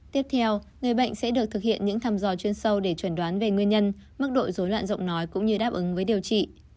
tiếp theo người bệnh sẽ được thực hiện những thăm dò chuyên sâu để chuẩn đoán về nguyên nhân mức độ dối loạn giọng nói cũng như đáp ứng với điều trị